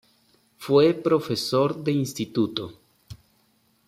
Fue profesor de Instituto.